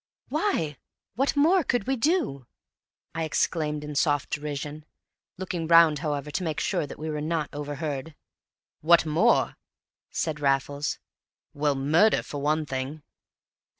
"Why? What more could we do?" I exclaimed in soft derision, looking round, however, to make sure that we were not overheard. "What more," said Raffles. "Well, murder for one thing."